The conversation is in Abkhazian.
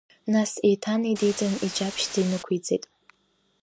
Нас еиҭанеидиҵан, иҷаԥшьӡа инықәиҵеит.